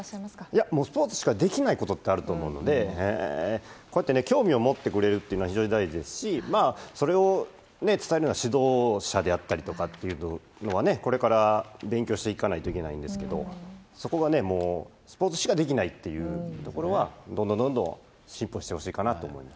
いや、もうスポーツしかできないことってあると思うので、こうやって興味を持ってくれるっていうのは、非常に大事ですし、それを伝えるのは指導者であったりとかっていうのはね、これから勉強していかないといけないんですけど、そこがもう、スポーツしかできないっていうところは、どんどんどんどん進歩してほしいかなと思います。